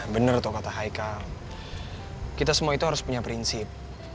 bener tuh kata haikal kita semua itu harus punya prinsip